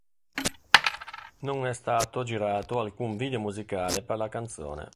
Non è stato girato alcun video musicale per la canzone.